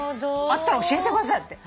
「あったら教えてください」だって。